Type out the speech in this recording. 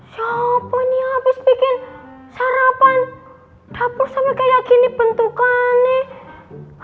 siapa ini habis bikin sarapan dapur sampai kayak gini bentukannya